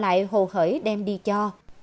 lại hồ hỡi đem đi cho